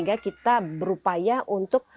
omong itu untuk mendapatkan tubuhnya